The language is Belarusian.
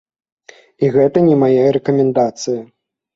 І гэта не мае рэкамендацыі.